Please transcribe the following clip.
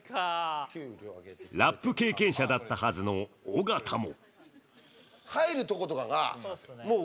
ラップ経験者だったはずの尾形も。